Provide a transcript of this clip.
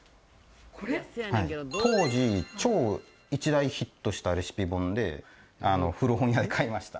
はい当時超一大ヒットしたレシピ本で古本屋で買いました